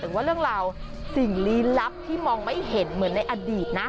หรือว่าเรื่องราวสิ่งลี้ลับที่มองไม่เห็นเหมือนในอดีตนะ